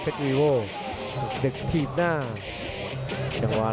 พรึกถีนหน้า